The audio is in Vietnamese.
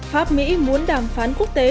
pháp mỹ muốn đàm phán quốc tế